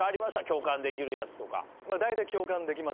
共感できるやつとか。